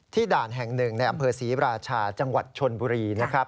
ด่านแห่งหนึ่งในอำเภอศรีราชาจังหวัดชนบุรีนะครับ